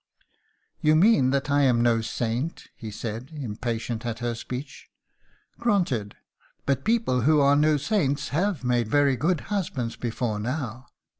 "You mean that I am no saint," he said, impatient at her speech. "Granted. But people who are no saints have made very good husbands before now.